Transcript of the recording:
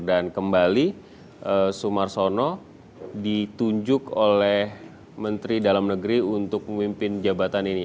dan kembali sumar sono ditunjuk oleh menteri dalam negeri untuk memimpin jabatan ini